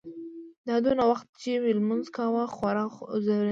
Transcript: دا دونه وخت چې مې لمونځ کاوه خورا ځورېدم.